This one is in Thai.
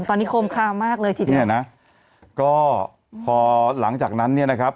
ตอนนี้โคมคามากเลยทีเดียวเนี่ยนะก็พอหลังจากนั้นเนี่ยนะครับ